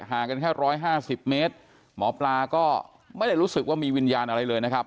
กันแค่๑๕๐เมตรหมอปลาก็ไม่ได้รู้สึกว่ามีวิญญาณอะไรเลยนะครับ